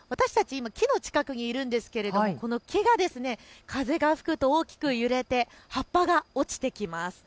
今、木の近くにいるんですけれど木が風が吹くと大きく揺れて葉っぱが落ちてきます。